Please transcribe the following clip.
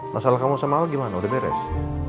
masalah kamu sama allah gimana udah beres